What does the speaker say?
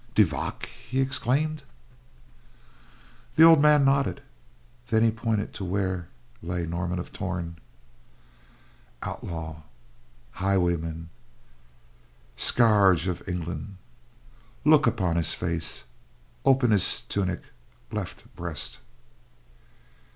"De Vac!" he exclaimed. The old man nodded. Then he pointed to where lay Norman of Torn. "Outlaw—highwayman—scourge—of—England. Look—upon—his—face. Open—his tunic—left—breast."